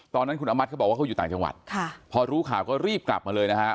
ตอนนั้นคุณอามัติเขาบอกว่าเขาอยู่ต่างจังหวัดพอรู้ข่าวก็รีบกลับมาเลยนะฮะ